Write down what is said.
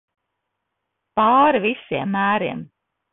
Pāri visiem mēriem.